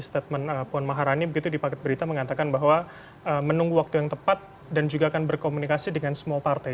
statement puan maharani begitu di paket berita mengatakan bahwa menunggu waktu yang tepat dan juga akan berkomunikasi dengan semua partai